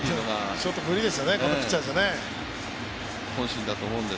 ちょっと無理ですよね、このピッチャーじゃね。